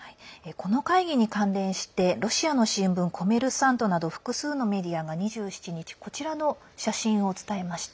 この会議に関連してロシアの新聞コメルサントなど複数のメディアが２７日こちらの写真を伝えました。